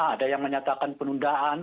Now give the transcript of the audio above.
ada yang menyatakan penundaan